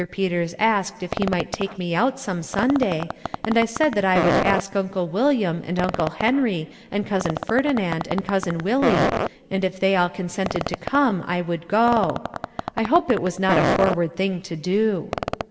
Peters asked if he might take me out some Sunday, and I said that I would ask Uncle William and Uncle Henry and Cousin Ferdinand and Cousin Willie and if they all consented to come I would go. I hope it was not a forward thing to do.